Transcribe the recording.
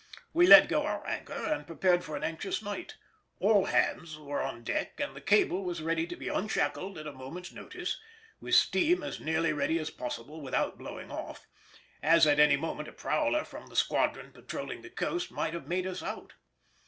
We let go our anchor and prepared for an anxious night; all hands were on deck and the cable was ready to be unshackled at a moment's notice, with steam as nearly ready as possible without blowing off, as at any moment a prowler from the squadron patrolling the coast might have made us out.